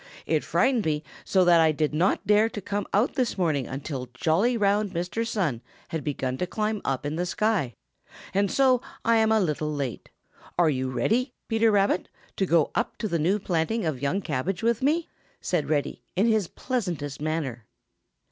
It frightened me so that I did not dare to come out this morning until jolly, round Mr. Sun had begun to climb up in the sky, and so I am a little late. Are you ready, Peter Rabbit, to go up to the new planting of young cabbage with me?" asked Reddy, in his pleasantest manner.